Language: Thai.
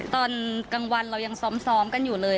ตอนกลางวันเรายังซ้อมกันอยู่เลย